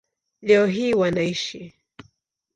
Leo hii wanaishi